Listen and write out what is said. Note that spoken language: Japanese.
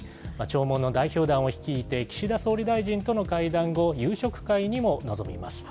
弔問の代表団を率いて岸田総理大臣との会談後、夕食会にも臨みます。